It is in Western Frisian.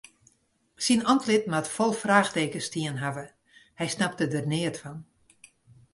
Syn antlit moat fol fraachtekens stien hawwe, hy snapte der neat fan.